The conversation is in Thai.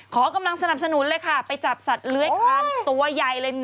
ขอกำลังสนับสนุนเลยค่ะไปจับสัตว์เลื้อยคานตัวใหญ่เลย